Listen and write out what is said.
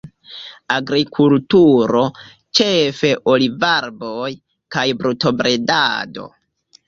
Agrikulturo, ĉefe olivarboj, kaj brutobredado.